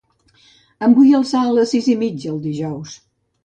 Em vull alçar a les sis i mitja el dijous.